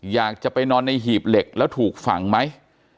อยากจะไปนอนในหีบเหล็กแล้วถูกฝังไหม